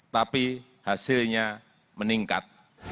tapi hasilnya meningkat